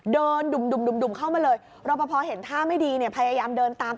ดุ่มเข้ามาเลยรอปภเห็นท่าไม่ดีเนี่ยพยายามเดินตาม